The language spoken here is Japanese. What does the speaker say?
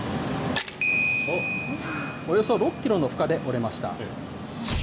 およそ６キロの負荷で折れました。